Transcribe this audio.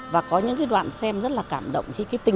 và có những cái đoạn xem rất là cảm động